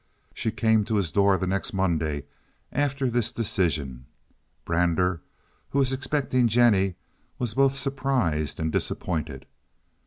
She came to his door the next Monday after this decision. Brander, who was expecting Jennie, was both surprised and disappointed.